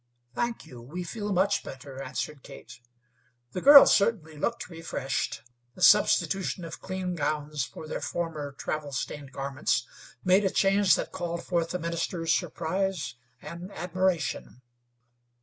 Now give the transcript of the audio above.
"Thank you, we feel much better," answered Kate. The girls certainly looked refreshed. The substitution of clean gowns for their former travel stained garments made a change that called forth the minister's surprise and admiration.